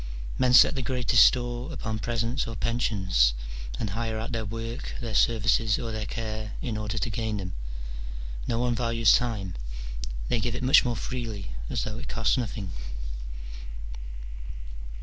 Men set the greatest store upon presents or pensions, and hire out their work, their services, or their care in order to gain them : no one values time : they give it much more freely, as though it cost nothing.